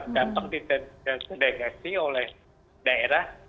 gampang diterdekasi oleh daerah